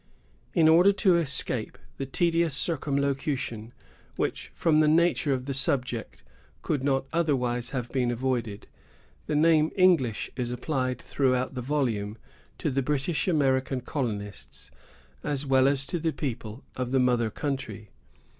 In order to escape the tedious circumlocution, which, from the nature of the subject, could not otherwise have been avoided, the name English is applied, throughout the volume, to the British American colonists, as well as to the people of the mother country.